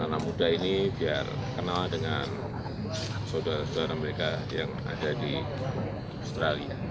anak muda ini biar kenal dengan saudara saudara mereka yang ada di australia